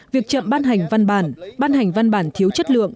việc chậm ban hành văn bản ban hành văn bản thiếu chất lượng